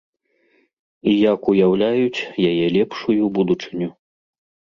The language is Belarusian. І як уяўляюць яе лепшую будучыню.